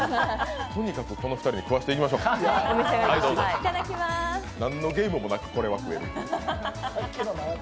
とにかくこの２人に食わしていきましょ、何のゲームもなくこれは食えるという。